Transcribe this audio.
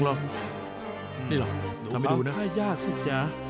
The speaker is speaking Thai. นี่หรอทำให้ดูนะหนูว่าค่ายยากสิจ๊ะ